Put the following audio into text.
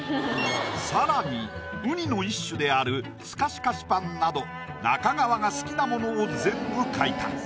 さらにうにの一種であるスカシカシパンなど中川が好きなものを全部描いた。